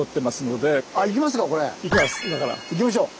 行きましょう！